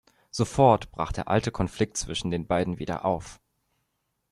Sofort brach der alte Konflikt zwischen beiden wieder auf.